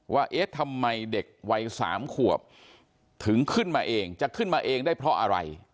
เอ๊ะทำไมเด็กวัย๓ขวบถึงขึ้นมาเองจะขึ้นมาเองได้เพราะอะไร